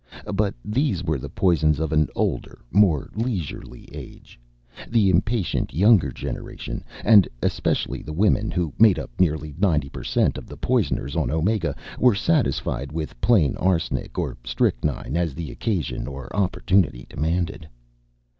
But these were the poisons of an older, more leisurely age. The impatient younger generation and especially the women, who made up nearly 90 per cent of the poisoners on Omega were satisfied with plain arsenic or strychnine, as the occasion and opportunity demanded.